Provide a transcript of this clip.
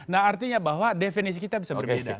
nah artinya bahwa definisi kita bisa berbeda